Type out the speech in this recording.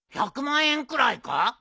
１００万円くらいか？